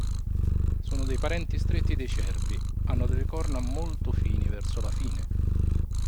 Sono dei parenti stretti dei cervi hanno delle corna molto fini verso la fine.